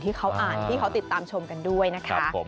ที่เขาอ่านที่เขาติดตามชมกันด้วยนะคะ